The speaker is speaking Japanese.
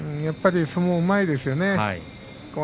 やっぱり相撲がうまいですよね。